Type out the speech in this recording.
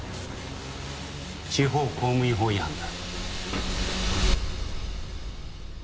地方公務員法違反だ。